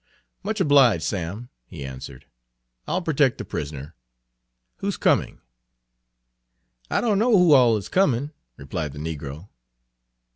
"Much obliged, Sam," he answered. "I'll protect the prisoner. Who 's coming?" "I dunno who all is comin'," replied the negro.